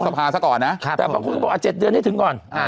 แต่พอคุณบอก๗เดือนนี้ถึงก่อน